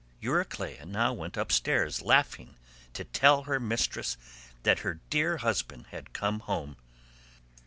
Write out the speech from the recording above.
Euryclea now went upstairs laughing to tell her mistress that her dear husband had come home.